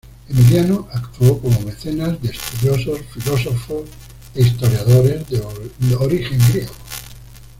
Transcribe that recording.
Emiliano actuó como mecenas de estudiosos, filósofos e historiadores de origen griego.